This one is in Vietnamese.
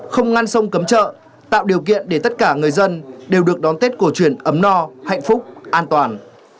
không ngăn sông cấm chợ tạo điều kiện để tất cả người dân đều được đón tết cổ truyền ấm no hạnh phúc an toàn